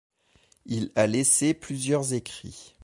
Il a laissé plusieurs écrits.